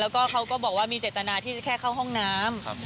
แล้วก็เขาก็บอกว่ามีเจตนาที่จะแค่เข้าห้องน้ำ